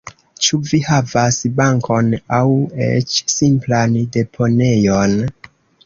Ĉu vi havas bankon aŭ eĉ simplan deponejon?